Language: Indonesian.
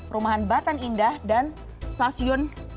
perumahan batan indah dan stasiun